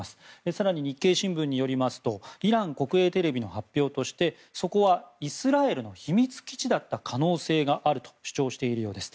更に日経新聞によりますとイラン国営テレビの発表としてそこはイスラエルの秘密基地だった可能性があると主張しているようです。